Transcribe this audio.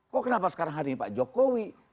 kok kenapa sekarang hari ini pak jokowi